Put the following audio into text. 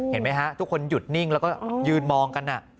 เห็นไหมฮะทุกคนหยุดนิ่งแล้วก็ยืนมองกัน